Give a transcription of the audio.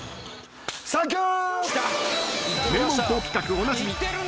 サンキュー！！